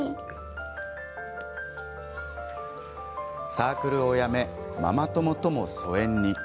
サークルを辞めママ友とも疎遠に。